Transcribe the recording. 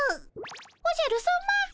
おじゃるさま？